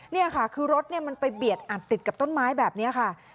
นี่ค่ะคือรถมันไปเบียดอัดติดกับต้นไม้แบบนี้ค่ะ